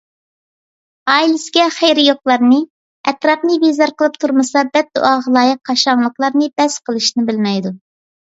ئائىلىسىگە خەيرى يوقلارنى، ئەتراپنى بىزار قىلىپ تۇرمىسا بەددۇئاغا لايىق قاشاڭلىقلارنى بەس قىلىشنى بىلمەيدۇ.